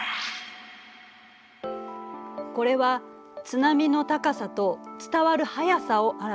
これは津波の高さと伝わる速さを表した図。